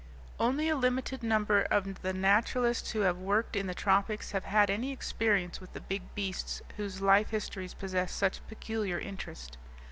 Only a limited number of the naturalists who have worked in the tropics have had any experience with the big beasts whose life histories possess such peculiar interest.